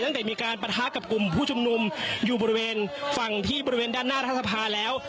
ตั้งแต่มีการปะทะกับกลุ่มผู้ชุมนุมอยู่บริเวณฝั่งที่บริเวณด้านหน้ารัฐสภาแล้ว